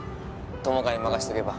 友果に任せとけば